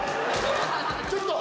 ちょっと。